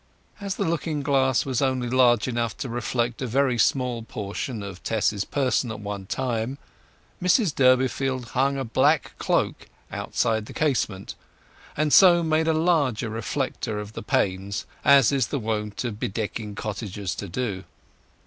As the looking glass was only large enough to reflect a very small portion of Tess's person at one time, Mrs Durbeyfield hung a black cloak outside the casement, and so made a large reflector of the panes, as it is the wont of bedecking cottagers to do.